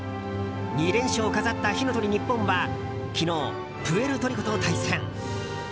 ２連勝を飾った火の鳥ＮＩＰＰＯＮは昨日、プエルトリコと対戦。